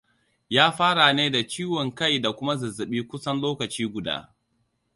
ya fara ne da ciwon kai da kuma zazzaɓi kusan lokaci guda